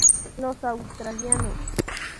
Los australianos.